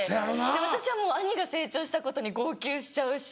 私はもう兄が成長したことに号泣しちゃうし。